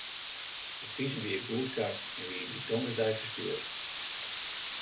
It fisum wie goedkard en wie dy tongersdeis ferstjoerd.